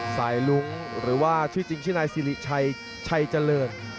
สายลุ้งหรือว่าชื่อจริงชื่อนายสิริชัยชัยเจริญ